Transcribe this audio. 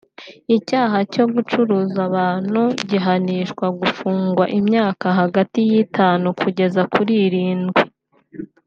Icyaha cyo gucuruza abantu gihanishwa gufungwa imyaka hagati y’itanu kugeza kuri irindwi